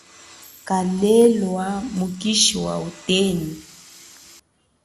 Kalelwa mukishi wa utenu.